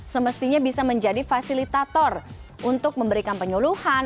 semestinya bisa menjadi fasilitator untuk memberikan penyuluhan